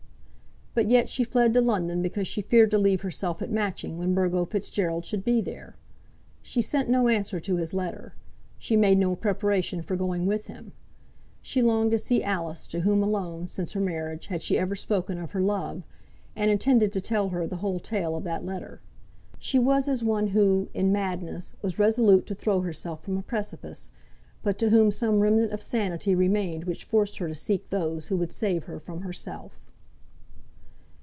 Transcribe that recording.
But yet she fled to London because she feared to leave herself at Matching when Burgo Fitzgerald should be there. She sent no answer to his letter. She made no preparation for going with him. She longed to see Alice, to whom alone, since her marriage, had she ever spoken of her love, and intended to tell her the whole tale of that letter. She was as one who, in madness, was resolute to throw herself from a precipice, but to whom some remnant of sanity remained which forced her to seek those who would save her from herself.